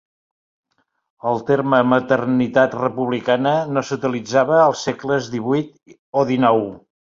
El terme "maternitat republicana" no s'utilitzava als segles XVIII o XIX.